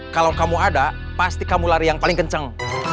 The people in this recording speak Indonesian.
kalau kamu ada pasti kamu lari yang paling kencang